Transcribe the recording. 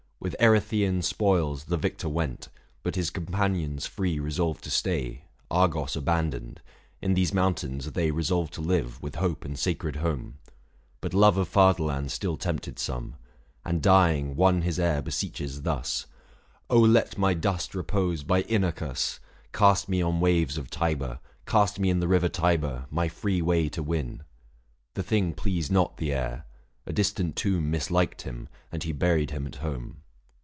With Erytheian spoils the victor went ; 740 But his companions free resolved to stay, Argos abandoned : in these mountains they Resolved to live, with hope and sacred home. But love of fatherland still tempted some ; And dying, one his heir beseeches thus :— 745 1 Oh let my dust repose by Inachus ! Cast me on waves of Tiber — cast me in The river Tiber, my free way to win.' The thing pleased not the heir ; a distant tomb Misliked him, and he buried him at home.